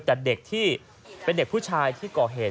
แต่เด็กที่เป็นเด็กผู้ชายที่ก่อเหตุ